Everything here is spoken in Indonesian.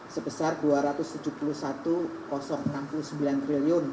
sebesar dua ratus tujuh puluh satu triliun